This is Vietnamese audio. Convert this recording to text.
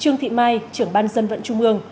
nguyễn mai trưởng ban dân vận trung ương